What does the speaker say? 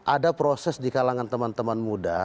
ada proses di kalangan teman teman muda